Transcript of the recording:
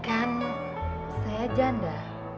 kan saya janda